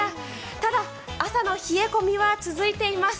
ただ、朝の冷え込みは続いています。